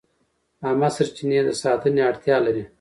عامه سرچینې د ساتنې اړتیا لري.